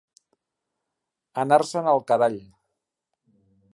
Anar-se'n al carall.